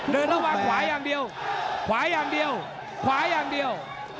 เดินเรื่องขวายางเดียวขวายางเดียวขวายางเดียว